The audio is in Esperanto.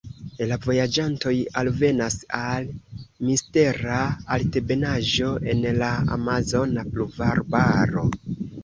La vojaĝantoj alvenas al mistera altebenaĵo en la amazona pluvarbaro.